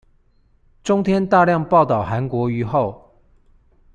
中天大量報導韓國瑜後